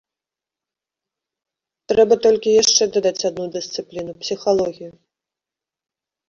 Трэба толькі яшчэ дадаць адну дысцыпліну, псіхалогію.